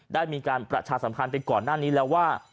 ได้มีการประชาสัมพันธ์ไปก่อนหน้านี้แล้วว่า